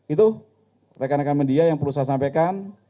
itu rekan rekan media yang perlu saya sampaikan